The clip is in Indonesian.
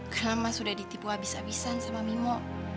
karena mas sudah ditipu habis habisan sama mimmo